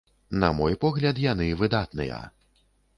На мой погляд, яны выдатныя.